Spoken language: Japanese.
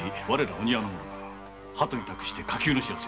「お庭の者」が鳩に託して火急の報告を。